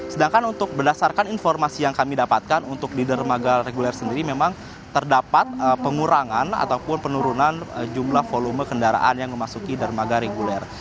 sedangkan untuk berdasarkan informasi yang kami dapatkan untuk di dermaga reguler sendiri memang terdapat pengurangan ataupun penurunan jumlah volume kendaraan yang memasuki dermaga reguler